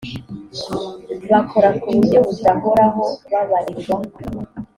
bakora ku buryo budahoraho babarirwa